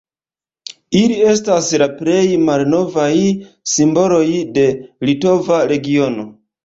Ili estas la plej malnovaj simboloj de litova regiono.